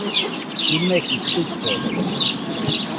Jimekɨ tuikode.